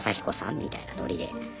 みたいなノリで。